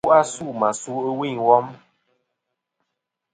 Fu asû mà su ɨwûyn ɨ wom.